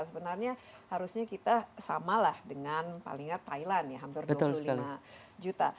sebenarnya harusnya kita sama lah dengan palingnya thailand ya hampir dua puluh lima juta